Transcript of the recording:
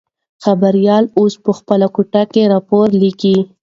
خبریال اوس په خپله کوټه کې راپور لیکي.